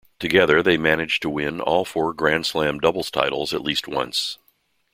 Together they managed to win all four Grand Slam doubles titles at least once.